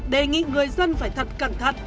đề nghị người dân phải thật cẩn thận